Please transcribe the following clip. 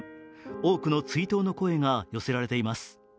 多くの追悼の声が寄せられています。